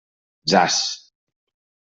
Zas!